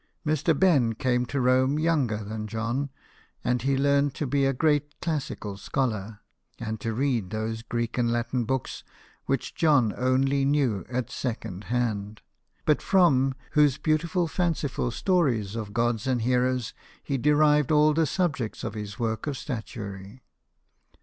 Mr. Ben came to Rome younger than John, and he learned to be a great classical scholar, and to read those Greek and Latin books which John only knew at second hand, but from whose beautiful fanciful stories of gods and heroes he derived all the subjects for his works of statuary.